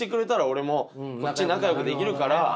俺もこっち仲よくできるから。